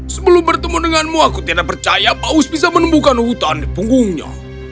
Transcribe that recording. sebelum bertemu denganmu aku tidak percaya paus bisa menemukan hutan di punggungnya